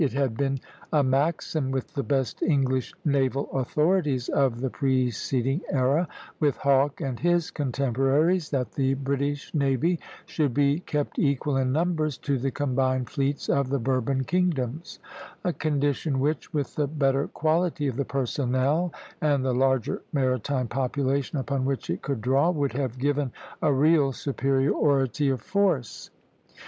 It had been a maxim with the best English naval authorities of the preceding era, with Hawke and his contemporaries, that the British navy should be kept equal in numbers to the combined fleets of the Bourbon kingdoms, a condition which, with the better quality of the personnel and the larger maritime population upon which it could draw, would have given a real superiority of force.